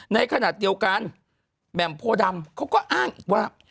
ในขณะเดียวกันแบบพ่อดำเขาก็อ้างว่า